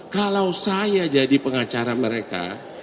kalau saya jadi pengacara mereka